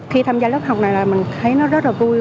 khi tham gia lớp học này là mình thấy nó rất là vui